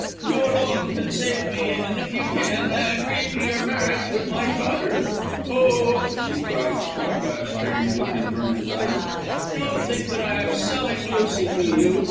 You alone can save me, and, if you can, I agree to your marriage with my daughter. Oh," she cried, struck by a strange look in Vernon's eyes, "don't think I am selling Lucy to you.